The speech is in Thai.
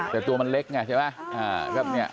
แต่ตัวมันเล็กไงใช่ไหม